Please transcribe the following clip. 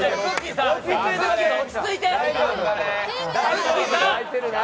さん、落ち着いて！